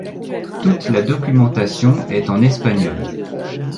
Toute la documentation est en espagnol.